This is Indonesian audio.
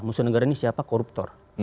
musuh negara ini siapa koruptor